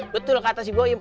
betul kata si bu im